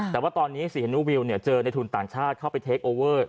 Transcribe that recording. แต่ว่าตอนนี้สีเฮนูวิวเจอในทุนต่างชาติเข้าไปเทคโอเวอร์